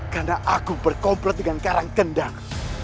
karena aku berkomplet dengan karang kendang